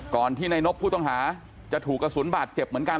ที่ในนบผู้ต้องหาจะถูกกระสุนบาดเจ็บเหมือนกัน